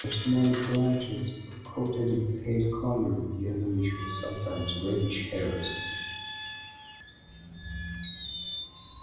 Their smaller branches are coated in pale-colored, yellowish, or sometimes reddish hairs.